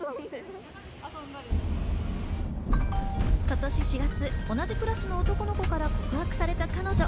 今年４月、同じクラスの男の子から告白された彼女。